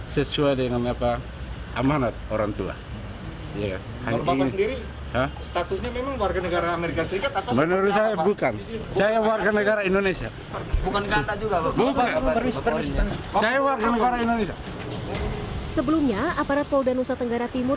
sebelumnya aparat polda nusa tenggara timur